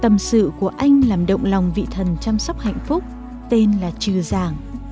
tâm sự của anh làm động lòng vị thần chăm sóc hạnh phúc tên là trừ giảng